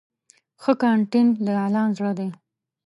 ښه کانټینټ د اعلان زړه دی.